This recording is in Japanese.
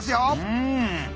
うん！